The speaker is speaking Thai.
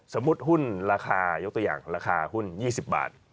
หุ้นราคายกตัวอย่างราคาหุ้น๒๐บาท